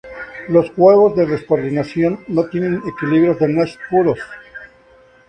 Los juegos de descoordinación no tienen equilibrios de Nash puros.